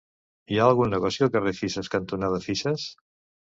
Hi ha algun negoci al carrer Fisas cantonada Fisas?